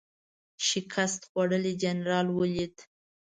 شکست خوړلی جنرال ولید.